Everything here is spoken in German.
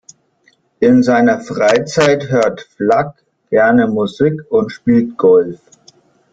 In seiner Freizeit hört Flack gerne Musik und spielt Golf.